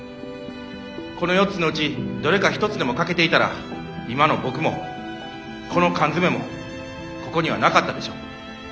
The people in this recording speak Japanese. この４つのうちどれか一つでも欠けていたら今の僕もこの缶詰もここにはなかったでしょう。